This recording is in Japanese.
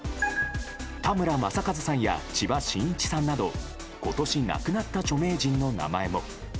田村正和さんや千葉真一さんなど今年亡くなった著名人の名前も。